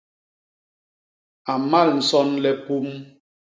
A mmal nson le pum.